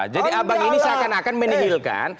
jadi abang ini seakan akan menihilkan